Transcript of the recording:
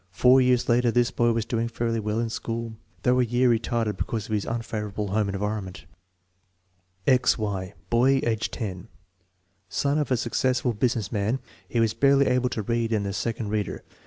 Four years later this boy was doing fairly well in school, though a year retarded because of his unfavorable home environ ment* > X. Y. Boy, age 10. Son of a successful business man/he was barely able to read in the second reader.